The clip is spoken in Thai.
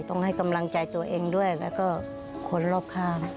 ต้องให้กำลังใจตัวเองด้วยแล้วก็คนรอบข้าง